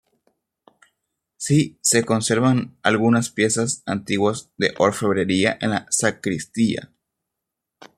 Sí se conservan algunas piezas antiguas de orfebrería en la sacristía.